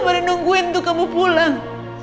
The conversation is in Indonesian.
menungguin untuk kamu pulang